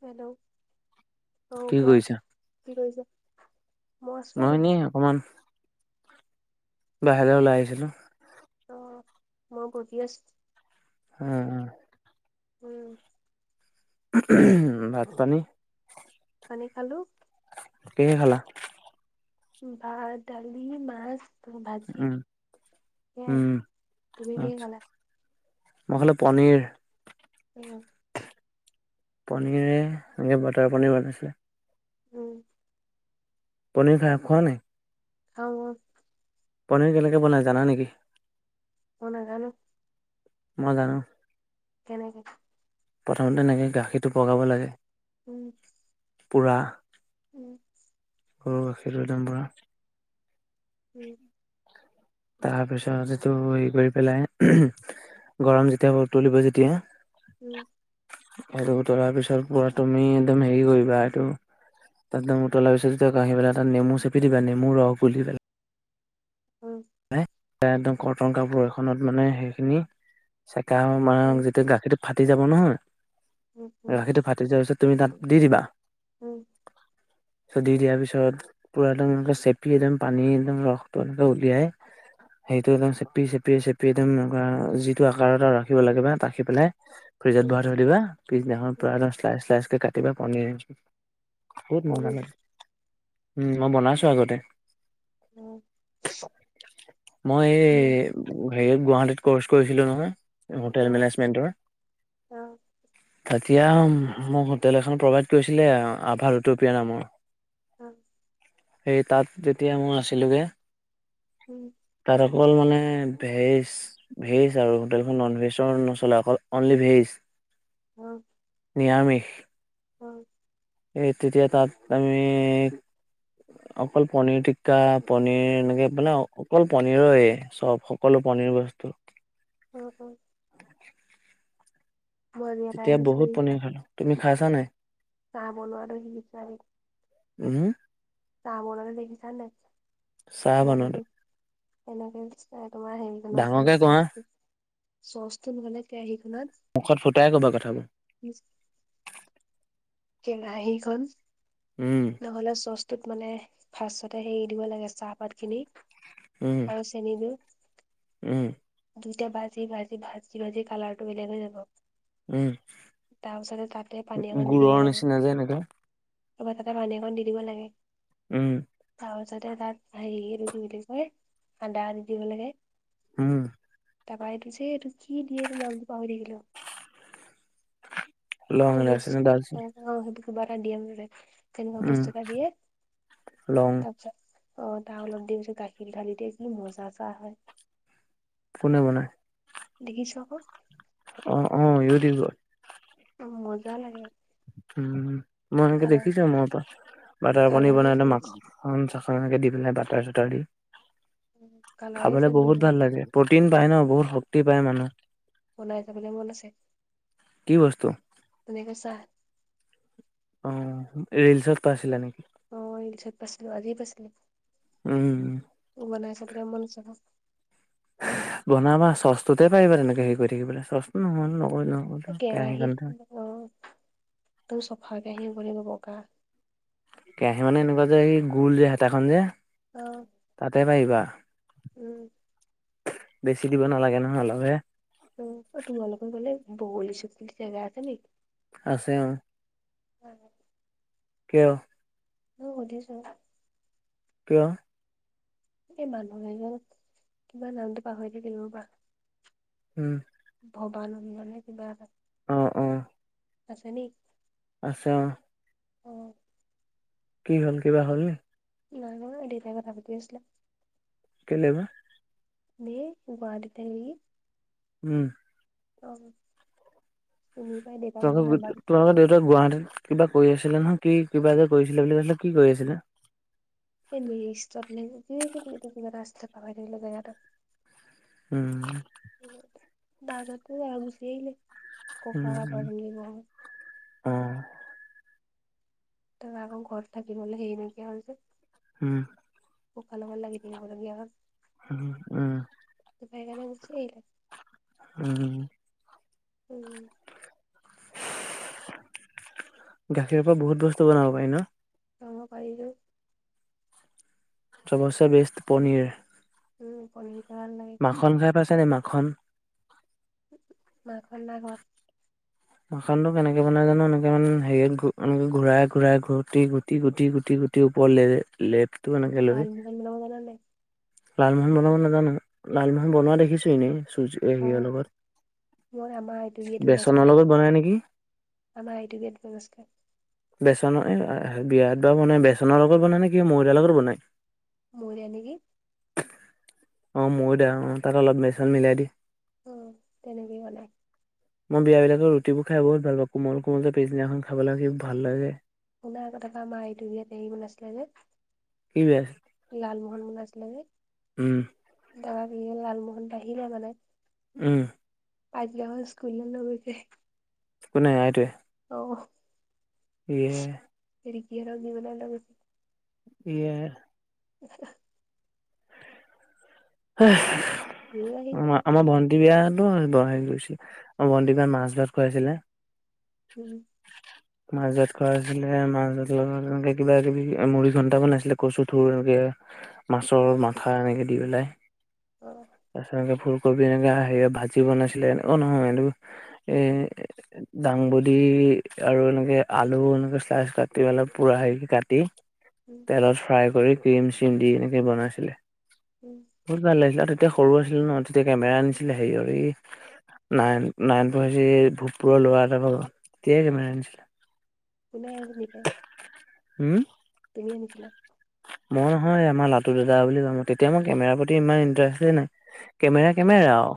Hello অ কি কোৱা কৰিছা? কি কৰিছ? নহ ন অকমান বাহিৰলৈ ওলাই আহিছিলো অ মই বহি আছো উম উম উম। উ ভাত পানী পানী খালো কিহে খালা ভাত দালি মাছ ত ভাজি উম, এ উম, তুমি কিহে আচ্ছা। খালা মই খালো পনীৰ উম। পনীৰে এনেকে বাটাৰ পনীৰ বনাইছিলে। উম। পনীৰ খাই খোৱা নাই। খাওঁ খাওঁ। পনীৰ কেনেকে বনাই জানা নেকি? মই নাজানো - মই জানো। কেনেকে? প্ৰথমতে তেনেকে গাখীৰটো পগাব লাগে উম। পোৰা উম। অ গাখীৰ বাদাম পোৰা উম। তাৰপিছত এইটো হে কৰি পেলাই গৰম যেতিয়া উতলিব যেতিয়া উম। এইটো উতলাৰ পিছত পৰা তুমি একদম হেৰি কৰিবা এইটো তাত উতলাৰ পিছত আহি পেলাই তাত নেমু চেপি দিবা নেমু ৰস বুলি পেলাই উম। একদম কৰ্তন কাপোৰ এখনত মানে সেইখিনি চাকি গৱৰ মা উম যেতিয়া গাখীৰটো ফাটি যাব উম উম নহয় গাখীৰটো ফাটি যোৱাৰ পিছত তুমি তাত দি দিবা উম। দি দিয়াৰ পিছত পুৰা একদম চেপি একদম পানী একদম ৰসটো উলিয়াই উম সেইটো একদম চেপি চেপি চেপিয়শ একদম এনেকুৱা যিটো আকাৰত আৰু ৰাখিব লাগে বা ৰাখি পেলাই ফ্ৰিজত উম উম ভৰাই থৈ দিবা পিছদিনাখন উম পৰা শ্লাইচ শ্লাইচকে কাটিবা পনীৰ বহুত মজা হেৰি লাগে উম মই বনাইছো আগতে উম মই এই হেৰিত গুৱাহাটীত কৰ্চ কৰিছিলো নহয় অ হোটেল মেনেেজমেণ্টৰ অ তেতিয়া মোক হোটেল এখন প্ৰভাইড কৰিছিলে আভা ৰুটুপিয় নামৰ উম সেই তাত যেতিয়া মোৰ আছিলোগে উম তাত অকল মানে ভেজ ভেজ আৰু হোটেলখন নন ভেজৰ নচলে অকল অনলি ভেজ অ নিৰামিষ হয় এই তেতিয়া তাত আমি অকল পনিৰ টিক্কা পনিৰ এনেকে মানে অকল পনিৰ এই চব সকলো পনিৰ বস্তু বস্তু অ অ মই আজি এটা তেতিয়া বহুত পনীৰ খালো তুমি খাইছা নাই চাব নোৱাৰো সি বিচাৰে উম আম ঘৰতো দেখিছা নাই চাহ এনেকে যে বনালো এনেকে তোমাৰ হেৰিখনত ডাঙৰকে মানে কোৱা চচ চচটো নে কেৰাহীটো মুখত ফুটাই ক'বা কথাবোৰ কেৰাহীখন উম নহ'লে চচ টোত মানে ফাৰ্ষ্টটে হেৰি দিব লাগে চাহপাত খিনি উম আৰু চেন দি উম দুইটা ভাজি ভাজি ভাজি ভাজি কালাৰ টো বেলেগ হৈ যাব উম তাৰ পিছতে তাতে পানী অকন দি পুৰৰ নিচিনা যে এনেকা তাৰ পা পানী অকন দি দিব লাগে উম তাৰপিছতে তাত হেৰিটো কি বুলি কয়, আদা আদি দিব লাগে উম। তাৰপৰা এইটো যে কি দিয়ে নামটো পাহৰি থাকিলোঁ। লং, ইলাচি নে ডালচেনি? কিবা এটা দিয়ে মুঠতে, তেনেকুৱা বস্তু এটা দিয়ে লং তাৰপিছত অ তাৰ অলপ দি পিছত গাখীৰ ধালি দিয়ে কি মজা চাহ হয়। কোনে বনাই? দেখিছো আক। অ অ ইউটিউবত। মজা লাগে। উম মই সেনেকে কালাৰ দেখিছো মোৰ পৰা, বাটাৰ পনীৰ কালাৰে বনাই চেঞ্জ মাখন - চাখ তেনেকে দি পেলাই বাটাৰ চাটাৰ দি, কালাৰে খাবলৈ চেঞ্জ হৈ বহুত যায় ভাল লাগে প্ৰ'টিন পাই ন বহুত শক্তি পায় মানুহে। বনাই যাবলৈ মন আছে। কি বস্তু? ধুনীয়াকৈ চাহ। অ ৰিলচত পাইছিলা নেকি? অ ৰিলছত পাইছিলো আজিয়ে পাইছিলো। উম, বনাই চাবলে মন আছে ঘৰত। বনাবা চচটোতে পাৰিবা তেনেকে হেৰি কৰি থাকিবলে চচ নহলো নকৰিলো কেৰাহীখনতে। টো চফাকে আহিম বুলি কব বগা কেৰাহী মানে, এনেকুৱা যে সেই গোল যে হেতাখন যে, অ তাতে পাৰিবা। উম বেছি দিব নালাগে নহয়, অলপহে। উম, অ তোমালোকৰ সেইফালে, বগৰি-চগৰি টেঙা আছে নেকি? আছে অঁ। হয়। কিয়? এনেই সোধিছোঁ। কিয়? এই মানুহ এজন, কিবা নামটো পাহৰি থাকিলোঁ ৰবা উম। ভবানন্দ নে কিবা? অঁ, অঁ। আছে নি? আছে অঁ। অঁ। কি হ'ল? কিবা হ'ল নি? নাই হোৱা, সেহতি এতিয়া কথা পাতি আছিলে। কেলে বা? ঢেৰ সোপাদিলে নেকি? উম। অঁ। তোমালোকৰ দেউত তোমালোকৰ দেউতা গুৱাহাটীত কিবা কৰি আছিলে নহয়, কি কিবা এটা কৰিছিলে বুলি কৈছিলে কি কৰি আছিলে? [unintelligible] উম। দাদাটো আ গুচি আহিলে উম ককা উম আইতাৰ ঘৰ। অ তাৰ আকৌ ঘৰত থাকিবলে হেৰি নাইকীয়া হ'ল যে। হোঁ [unintelligible] ককাৰ লগত লাগি দিব লগীয়া হ'ল। ওঁ অঁ [unintelligible] সেইকাৰণে গুচি আহিলো [unintelligible] ওঁ ওঁ গাখীৰৰ পৰা বহুত বস্তু বনাব পাৰি ন'? অঁ পাৰিটো। চবৰচে বেষ্ট পনীৰ। উম, পাৰি। মাখন খাই পাইছে নে? মাখন। মাখন নাইখোৱা। মাখনো কেনেকে বনাই জানো? এনেকে মান হেৰি এ ঘূৰাই ঘূৰাই ঘূটি ঘূটি ঘূটি ঘূটি ঘূটি ওপৰ লেৰেপ লেপ লালমোহন বনাব জানা নাই? লালমোহন বনাব নাজানো। লালমোহন বনোৱা দেখিছোঁ এনেই। চু চু এ- অ হেৰিৰ লগত। মই আমাৰ আইটিভিটো বেচনৰ নাচাওঁ। লগত বনাই নেকি আমাৰ আই টি ভিটো নচলে। বেচনৰ এ-অঁ এ- বিয়াত বাৰু বনাই। বেচনৰ লগত বনাই নে কি মইদাৰ লগত বনায়? মৰিলে নেকি? অঁ, মইদা। অঁ তাত অলপ বেচন মিলাই দি অঁ তেনেকেই বনাই। মই বিয়া বিলাকৰ ৰুটিবোৰ খাই বহুত ভাল পাওঁ কোমল কোমল যে পিছদিনাখন খাবলে সি ভাল লাগে শুনা আকঅ তাপা আমাৰ এইটো বিয়াত [unintelligible] বনাইছিলে যে কি বেয়াচিলে লালমোহন বনাইছিলে যে। উম দাদা বিয়াৰ লালমোহন বাহিলে মানে উম পাছদিনাখন স্কুললে লৈ গৈছে। কোনে আইটোৱে অহ এয়ে ৰিকি হেতক দিবলে লৈ গৈছে। ইয়ে। [unintelligible] ধেৰ আহিছিলে আমাৰ ভন্টি বিয়াত [unintelligible] গৈছে ভণ্টি বিয়াত মাছ ভাত খুৱাইছিলে উম মাছ ভাত খোৱাইছিলে মাছ ভাতৰ লগত এনেকে কিবা কিবি মুৰি ঘণ্টা বনাছিলে কচু থুৰ এনেকে মাছৰ অ মাথা এনেকে দি পেলাই অ তাপিছত এনে কবি এনেকে হেৰি অ ভাজি বনাইছিলে অ নহয় এই দাংবড আৰু এনেকে আলু এনেকে শ্লাইচ কাটি পিলাই পুৰা হে কে কাটি উম তেলত ফ্ৰাই কৰি ক্ৰীম চিম দি এনেকে বনাইছিলে উম বহুত ভাল লাগিছিলে আৰু তেতিয়া সৰু আছিলো ন তেতিয়া কেমেৰা আনিছিলে হেৰিঅৰ এই নাইন নাইন পঢ়িছে ভূতপুৰৰ ল'ৰা এটা ভাগঅ তেতিয়াই কেমেৰা আনিছিলে কোনে আনি পাই হুউম তুমি আনিছিলা মই নহয় আমাৰ লাটো দাদা বুলি এজন তেতিয়া মই কেমেৰাৰ প্ৰতি ইমান ইণ্টাৰেষ্টেই নাই কেমেৰা অ কেমেৰা আও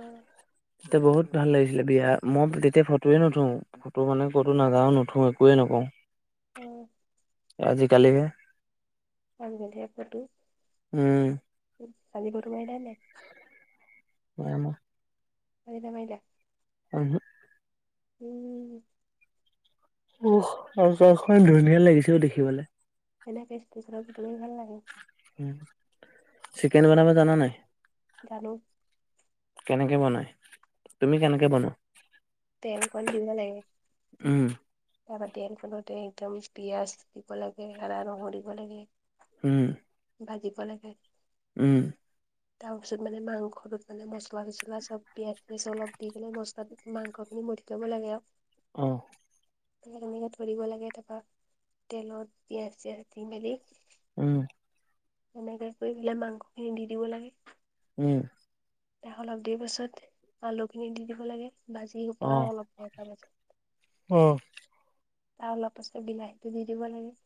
অ বহুত ভাল লাগিছিলে বিয়া মই তেতিয়া ফটোয়ে নুথো ফটো মানে ক'তো নাযাওঁ নুথো একোৱে নকওঁ উম আজি কালিহে আজি কালিহে ফটো উম কালি ফটো মাৰিলা নে নাই নাই মই [unintelligible] উমহু। উম। উহ [unintelligible] ধুনীয়া লাগিছিলও দেখিবলে এনেকে [unintelligible] ফটো মাই ভাল লাগে চিকেন বনাব জানা নাই? জানো। কেনেকে বনাই, তুমি কেনেকে বনোৱা? তেল অকণ দিব লাগে উম তাৰপা তেল কোনো দে, একদম পিয়াঁজ দিব লাগে, আদা নহৰু দিব লাগে উম। ভাজিব লাগে। উম। তাৰ পিছত মানে মাংসটোত মানে মছলা- চছলা চব পিয়াঁজ- চিয়াজ অলপ দি পিলাই মচলাটোত মাংস মথি লব লাগে আৰু। অহ। পৰিব লাগে তাৰপৰা, তেলত পিয়াজ- চিয়াজ দি মেলি উম। এনেকে কৰি দিলে মাংসখিনি দি দিব লাগে। উম। অলপ দেৰি পাছত, আলুখিনি দি দিব লাগে ভাজি অ শুাল [inaudible] অল পত অ। তাৰ অলপ পাছত বিলাহীটো দি দিব লাগে।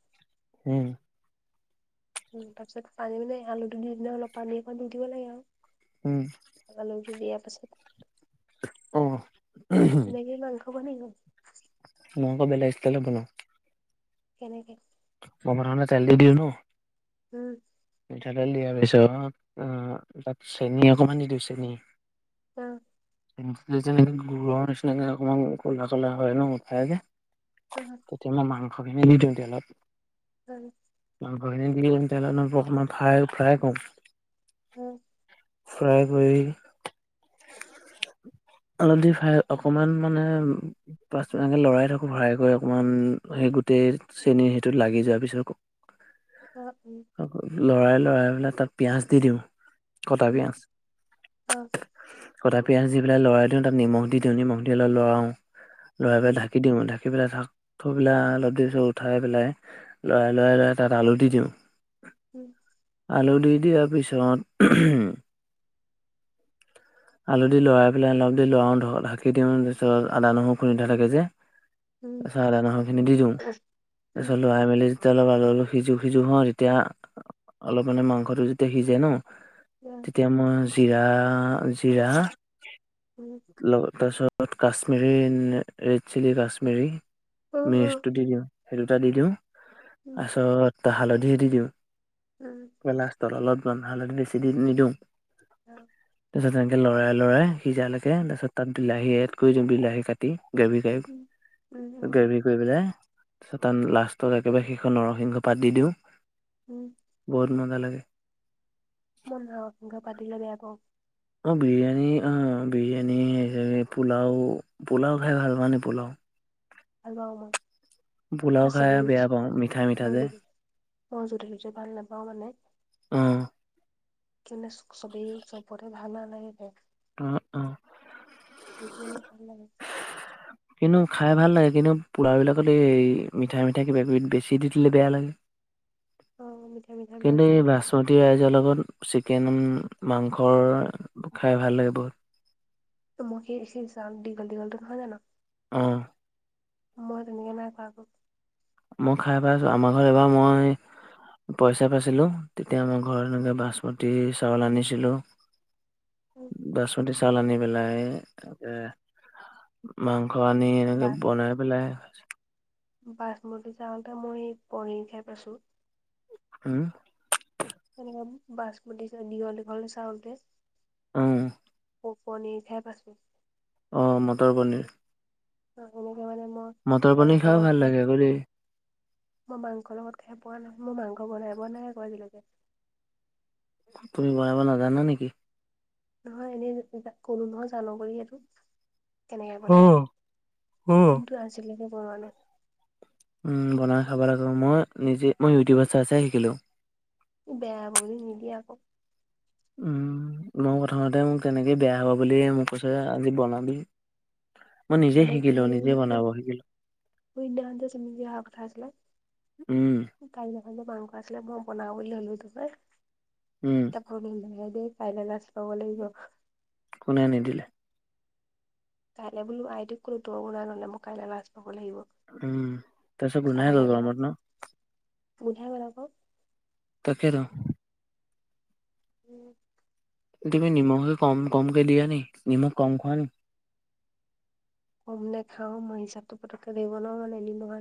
উম। উম, তাৰ পিছত পানী মানে আলুটো দি দিলে অলপ পানী একণ দি দিব লাগে উম আৰু। আলুটো দিয়া পিছত অ। তেনেকে মাংস বনাই নি মই আকৌ বেলেগ ষ্টাইলত বনাও। কেনেকে? বনাও তে তেল নিদিয়ে ন। উম। মিঠাতেল দিয়াৰ পিছত, অ তাত চেনী অকনমান দি দিওঁ চেনী অহ। গৰ নিচিনাকে অকমান ক'লা ক'লা হয় ন [unintelligible] তেতিয়া মাই মাংসখিনি দি দিওঁ তেলত। উম। মাংসখিনি দি কিনে তেলত অকণমান ফ্রাই ফ্ৰাই কৰোঁ। উম। ফ্ৰাই কৰি অলপ দেৰি ফ্ৰাই অকমান মানে পাছ এনেকে লৰাই থাকো, ফ্ৰাই কৰি অকমান হে গোটেই চেনীৰ সেইটো লাগি যোৱাৰ পিছত লৰাই লৰাই পেলাই তাত পিয়াজ দি দিওঁ। কটা উম পিয়াজ অ। কটা পিঁয়াজ দি পেলাই লৰাই দিওঁ তাত নিমখ দি দিওঁ নিমখ দি অলপ লৰাওঁ, লৰাই পেলাই ঢাকি দিওঁ। ঢা ৰাখি পেলাই চাক থবেলাই অলপ দিছোঁ উঠাই পেলাই, লৰাই লৰাই লৰাই তাত আলু দি দিওঁ উম। আলু দি দিয়াৰ পিছত উহুম আলু দি লৰাই পেলাই অলপ দি লৰাও ঢ ঢাকি দিওঁ, তাৰপিছত আদা, নহৰু খুন্দি থোৱা থাকে যে তাৰপিছত আদা নাহৰ খিনি দি দিওঁ মই তাৰপিছত লৰাই মেলি তেতিয়া অলপ আলু অলপ সিজো-সিজো হ তেতিয়া অলপ মানে মাংসটো যেতিয়া সিজে ন তেতিয়া মই জিৰা -। লগ তাৰপিছত কাশ্মিৰী ৰেড চিলি কাশ্মিৰী। মেচটো দি দিওঁ সেই দুটা দি দিওঁ তাৰিছত হালধি দি দিওঁ। কেলাষ্টৰলত বন্ধাল বেছি দি নিদিওঁ উ তাৰপিছত তেনেকৈ লৰাই -লৰাই সিজালৈকে তাৰপিছত তাত বিলাহী এড কৰি দিওঁ বিলাহী কাটি গেভি টাইপ গেভি কৰি পেলাই। তাৰপছত লাষ্টত একেবাৰে সেইখন নৰসিংহ পাত দি দিওঁ। বহুত মজা লাগে। মই নৰসিংহ পাত দিলে বেয়া পাওঁ। অঁ বিৰিয়ানী, অ বিৰিয়ানী পোলাও -পোলাও খাই ভাল পোৱা নে পোলাও ভাল পাওঁ মই। পোলাও মানে খাই চবেই বেয়া পাওঁ মিঠা মিঠা যে অ যতেটতে ভাল নাপাও মানে। উম কি চবেই চবতে ভাল নালাগিলে উম উম মানে ভাল নেলাগে কিন্তু খাই ভাল লাগে কিন্তু পোৰা বিলাকত এই মিঠাই মিঠাই কিবা কিবি বেছি দি দিলে বেয়া লাগে অ মিঠাই মিঠাই বিলাক কিন্তু এই দিয়ে যে বাচমতি ৰাইছৰ লগত চিকেন মাংস খাই ভাল লাগে বহুত। এ দীঘল দীঘলটো নহয় জানো। অ মই তেনেকে নাইখোৱা আক। মই খাই পাইছোঁ আমাৰ ঘৰত এবাৰ মই। পইচা পাইছিলো তেতিয়া আমাৰ ঘৰত এনেকে বাচমতি চাউল আনিছিলো। বাচমতি চাউল আনি পেলাই মাংস মাংস আনি বা এনেকে বনাই পেলাই বাচমতি চাউল মই পনীৰ খাই পাইছো উম বাচমতি যে দীঘল দীঘল চাউলটোয়ে উম পনীৰ খাই পাইছোঁ অ মটৰ পনীৰ [unintelligible] মটৰ পনীৰ মাংসৰ খাইও লগত ভাল খাই লাগে ক' দেই মই মাংসৰ লগত খাই পোৱা নাই মই মাংস বনাই পোৱা নাই আকৌ আজিলৈকে। তুমি বনাব নাজানা নেকি? নহয় এনেই কলো নহয় জানো বুলি। কেনেকে বনাই অ', অ'। কিন্তু আজিলৈকে বনোৱা নাই। বনাই খাব লাগিব মই নিজে মই ইউটিউবত চাই চাই শিকিলো বেয়া হব বুলি নিদিয়ে আকৌ উম মই প্ৰথমতে মোক তেনেকে বেয়া হ'ব বুলি মোক কৈছে আজি বনাবি। মই নিজে শিকিলো নিজে বনাব শিকিলো শুই দিনৱ যে চুমি বিয়া হোৱা কথা আছিলে উম, কাইলে ম মাংস আছিলে মই বনাও বুলি ললো উম, তাপা কাইলে লাজ পাব লাগিব। কোনে আনি দিলে। কাইলৈ বোলো আইতিক কলো তই বনা নহলে মই কাইলে লাজ পাম উম তাৰ পিছত বনাই খাবলৈ বেয়া ললো [unintelligible] গোন্ধাই গল আক তাকে ত উম তুমি নিমখ কম কম কে দিয়া নি নিমখ কম খোৱা নি কম নেখাও মই হিচাপটো পতকে ধৰি নোৱাৰোঁ সেইকাৰণে এদিনৰ